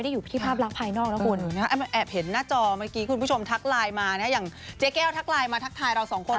เรื่องของจิตใจเนี่ยมันอยู่ที่ภายในไม่ได้อยู่ที่ภาพรักภายนอกนะคุณ